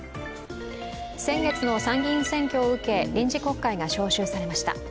先月の参議院選挙を受け臨時国会が召集されました。